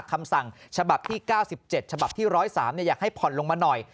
คำสั่งฉบับที่๙๗ฉบับที่๑๐๓อยากให้ผ่อนลงมาหน่อย